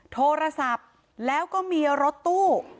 โทรศัพท์แล้วก็มีรถตู้